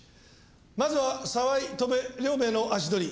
まずは澤井戸辺両名の足取り。